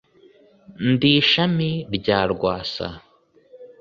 Ndi ishami rya Rwasa